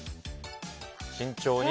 慎重に。